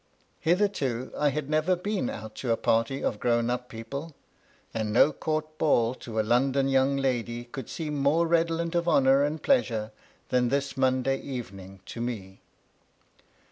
Hitherto I had never been out to a party of grown* up people ; and no court ball to a London young lady could seem more redolent of honour and pleasure than this Mcmday evemng to me.